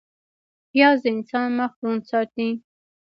پیاز د انسان مخ روڼ ساتي